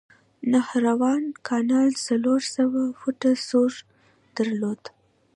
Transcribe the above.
د نهروان کانال څلور سوه فوټه سور درلود.